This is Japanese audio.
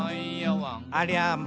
「ありゃま！